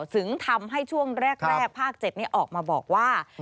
ถึงทำให้ช่วงแรกภาค๗ออกมาบอกว่า